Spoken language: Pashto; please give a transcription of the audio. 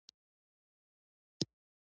پښتو کتابونه باید چاپ سي.